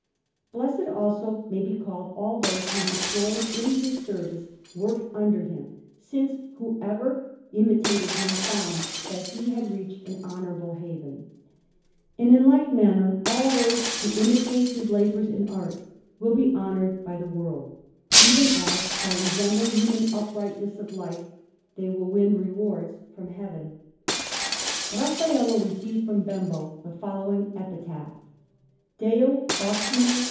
Blessed, also, may be called all those who, employed in his service, worked under him, since whoever imitated him found that he had reached an honourable haven; and in like manner all those who imitate his labours in art will be honoured by the world, even as, by resembling him in uprightness of life, they will win rewards from Heaven. Raffaello received from Bembo the following epitaph: D. O.